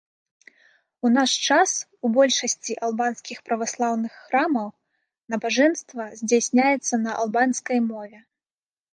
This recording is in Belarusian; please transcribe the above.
У наш час у большасці албанскіх праваслаўных храмаў набажэнства здзяйсняецца на албанскай мове.